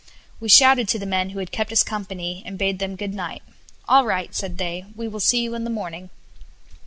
We shouted to the men who had kept us company, and bade them good night. "All right," said they, "we will see you in the morning."